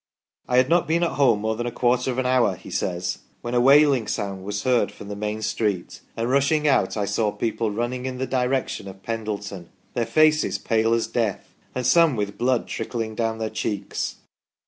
" I had not been at home more than a quarter of an hour," he says, " when a wailing sound was heard from the main street, and rushing out, I saw people running in the direction of Pendleton, their faces pale as death, and some with blood trickling down their cheeks.